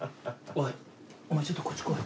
おいお前ちょっとこっち来い。